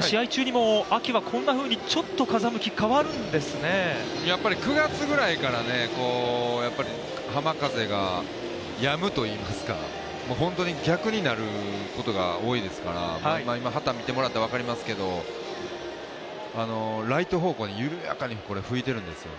試合中にも秋はこんなふうにちょっと風向き、９月ぐらいから浜風がやむといいますか、本当に逆になることが多いですから今、旗見てもらったら分かりますけど、ライト方向に緩やかに吹いているんですよね。